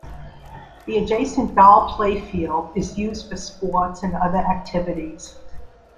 The adjacent Dahl Playfield is used for sports and other activities.